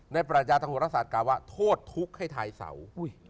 ในประจาตงศาสตร์กรรมว่าโทษทุกข์ให้ทายเสาร์